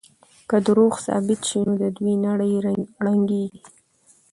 که دروغ ثابت شي نو د دوی نړۍ ړنګېږي.